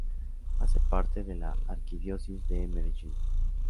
Hace parte de la Arquidiócesis de Medellín.